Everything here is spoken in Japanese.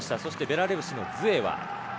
そして、ベラルーシのズエワ。